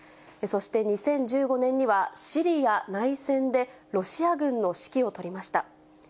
そして、２０１５年にはシリア内戦でロシア軍の指揮を執りました。